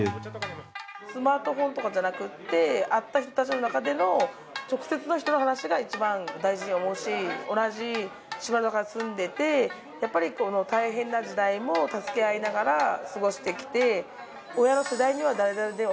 スマートフォンとかじゃなくて会った人たちの中での直接の人の話が一番大事に思うし同じ島の中に住んでてやっぱりこの大変な時代も助け合いながら過ごしてきて「親の世代には誰々でお世話になったよ」